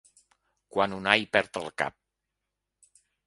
Quan Unai perd el cap.